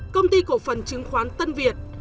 công ty cổ phần chứng khoán tân việt